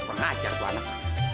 mengajar tuan anak